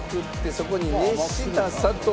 そこに。